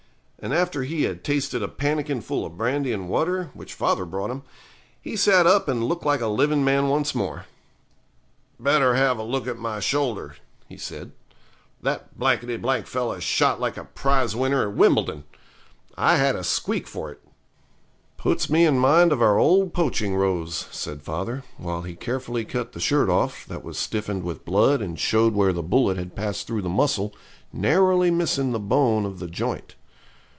And after he had tasted a pannikin full of brandy and water, which father brought him, he sat up and looked like a living man once more. 'Better have a look at my shoulder,' he said. 'That fellow shot like a prize winner at Wimbledon. I've had a squeak for it.' 'Puts me in mind of our old poaching rows,' said father, while he carefully cut the shirt off, that was stiffened with blood and showed where the bullet had passed through the muscle, narrowly missing the bone of the joint.